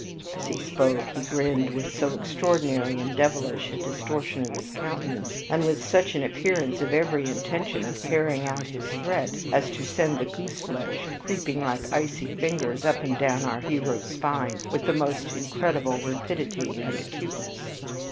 As he spoke he grinned with so extraordinary and devilish a distortion of his countenance, and with such an appearance of every intention of carrying out his threat as to send the goose flesh creeping like icy fingers up and down our hero's spine with the most incredible rapidity and acuteness.